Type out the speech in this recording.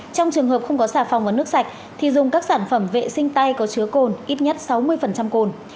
trong trường hợp không có xà phòng và nước sạch thì dùng các sản phẩm vệ sinh tay có chứa cồn ít nhất sáu mươi cồn